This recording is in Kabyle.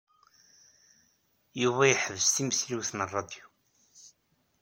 Yuba yeḥbes timesliwt n ṛṛadyu.